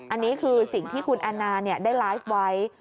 อันนี้คือสิ่งที่คุณแอนนาได้ไลฟ์ไว้